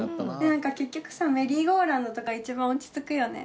なんか結局さメリーゴーランドとかが一番落ち着くよね。